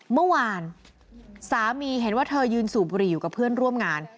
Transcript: เมื่อวานสามีเห็นว่าเธอยืนสูบบุหรี่อยู่กับเพื่อนร่วมงาน